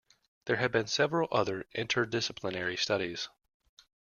There have been several other interdisciplinary studies.